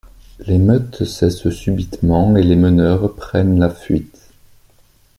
L'émeute cesse subitement et les meneurs prennent la fuite.